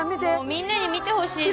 みんなに見てほしいです。